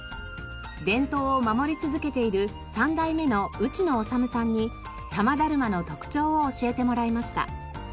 伝統を守り続けている三代目の内野治さんに多摩だるまの特徴を教えてもらいました。